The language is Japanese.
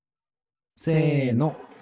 せの。